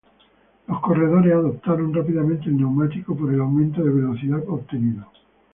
Los corredores adoptaron rápidamente el neumático por el aumento de velocidad obtenido.